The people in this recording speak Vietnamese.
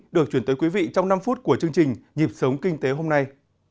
được chuyển tới quý vị trong năm phút của chương trình nhịp sống kinh tế hôm nay